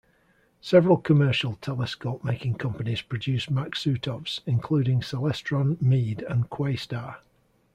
Several commercial telescope-making companies produce Maksutovs, including Celestron, Meade, and Questar.